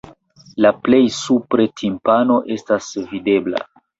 La plej supre timpano estas videbla.